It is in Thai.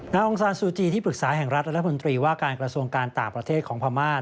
องซานซูจีที่ปรึกษาแห่งรัฐและรัฐมนตรีว่าการกระทรวงการต่างประเทศของพม่า